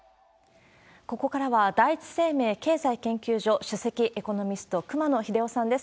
ここからは、第一生命経済研究所主席エコノミスト、熊野英生さんです。